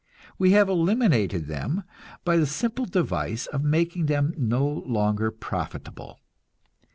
We have eliminated them by the simple device of making them no longer profitable.